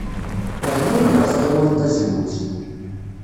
Iḍelli ay yerẓa Juan tazewwut.